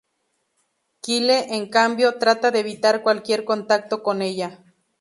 Kyle, en cambio, trata de evitar cualquier contacto con ella.